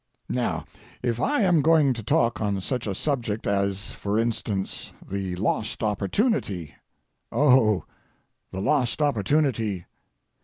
Now, if I am going to talk on such a subject as, for instance, the lost opportunity—oh, the lost opportunity.